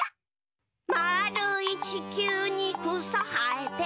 「まーるいちきゅうにくさはえて」